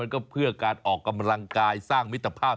ก็เพื่อการออกกำลังกายสร้างมิตรภาพ